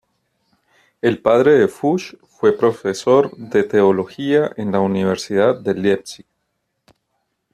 El padre de Fuchs fue profesor de teología en la Universidad de Leipzig.